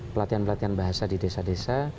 pelatihan pelatihan bahasa di desa desa